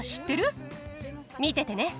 見ててね。